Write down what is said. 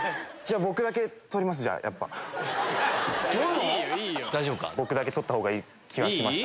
僕だけ取ったほうがいい気がしました。